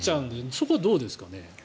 そこはどうですかね？